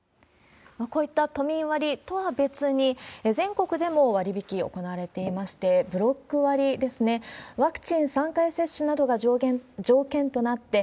こういった都民割とは別に、全国でも割引、行われていまして、ブロック割ですね、ワクチン３回接種が条件となって、